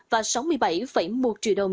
và sáu mươi bảy một triệu đồng